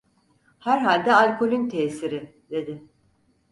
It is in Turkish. "Herhalde alkolün tesiri!" dedi.